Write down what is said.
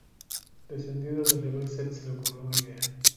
Descendiendo del Everest, se le ocurrió una idea.